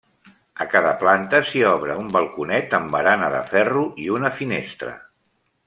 A cada planta s'hi obre un balconet amb barana de ferro i una finestra.